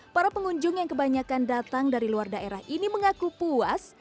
para pengunjung yang kebanyakan datang dari luar daerah ini mengaku puas